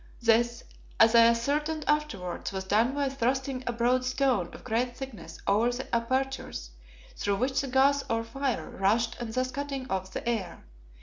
This, as I ascertained afterwards, was done by thrusting a broad stone of great thickness over the apertures through which the gas or fire rushed and thus cutting off the air.